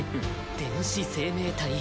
電子生命体。